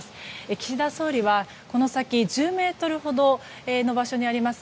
岸田総理はこの先１０ｍほどの場所にあります